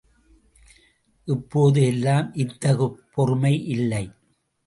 இப்போது எல்லாம் இத்தகு பொறுமை இல்லை.